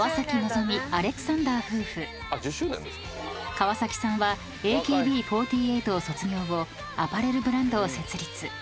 ［川崎さんは「ＡＫＢ４８」を卒業後アパレルブランドを設立］